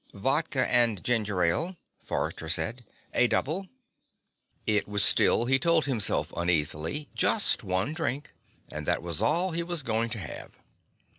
"Vodka and ginger ale," Forrester said. "A double." It was still, he told himself uneasily, just one drink. And that was all he was going to have.